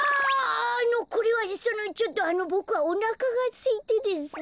あのこれはそのちょっとあのボクはおなかがすいてですね。